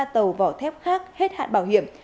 hai mươi ba tàu vỏ thép khác hết hạn bảo hiểm